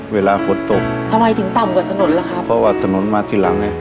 เวลาฝนตกทำไมถึงต่ำกว่าถนนล่ะครับเพราะว่าถนนมาทีหลังไง